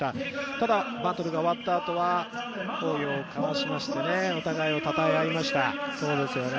ただバトルが終わったあとは抱擁を交わしましてお互いをたたえ合いました。